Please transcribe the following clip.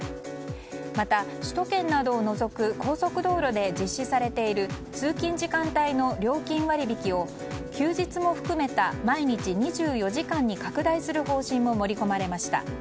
また、首都圏などを除く高速道路で実施されている通勤時間帯の料金割引を休日も含めた毎日２４時間に拡大する方針も盛り込まれました。